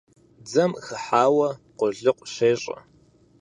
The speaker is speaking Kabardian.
Дзэм хыхьауэ къулыкъу щещӀэ.